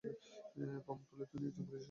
প্রমাণ করলে তুমি একজন পুলিশের স্ত্রী।